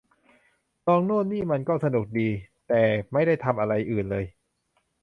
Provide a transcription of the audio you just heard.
ลองโน่นนี่มันก็สนุกดี แต่ไม่ได้ทำอะไรอื่นเลย